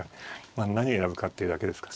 まあ何を選ぶかってだけですか。